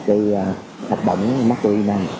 cái hạt bổng mắc tuy này